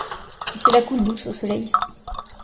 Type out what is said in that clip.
il se la coule douce au soleil.